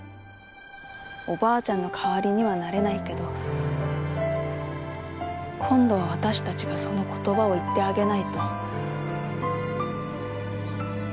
おばあちゃんの代わりにはなれないけど今度は私たちがその言葉を言ってあげないと。